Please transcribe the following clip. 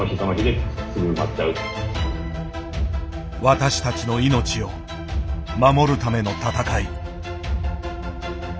私たちの命を守るための闘い。